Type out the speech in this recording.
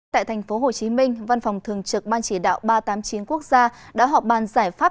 tại thành phố hồ chí minh văn phòng thường trực ban chỉ đạo ba trăm tám mươi chín quốc gia đã họp bàn giải pháp